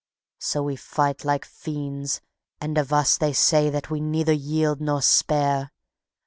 So we fight like fiends, and of us they say That we neither yield nor spare.